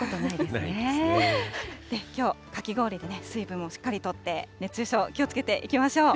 きょう、かき氷で水分もしっかりとって、熱中症、気をつけていきましょう。